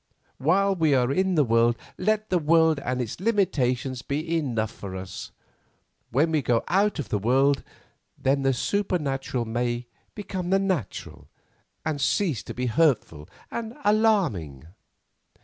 While we are in the world let the world and its limitations be enough for us. When we go out of the world, then the supernatural may become the natural, and cease to be hurtful and alarming."